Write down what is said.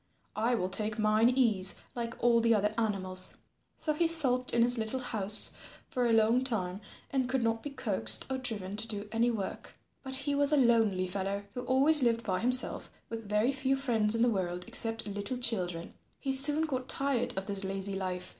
I will take mine ease like all the other animals." So he sulked in his little house for a long time and could not be coaxed or driven to do any work. But as he was a lonely fellow who always lived by himself with very few friends in the world except little children, he soon got tired of this lazy life.